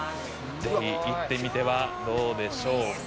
ぜひ行ってみてはどうでしょうか？」